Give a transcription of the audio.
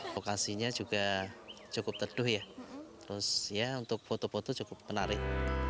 lokasinya juga cukup teduh ya terus ya untuk foto foto cukup menarik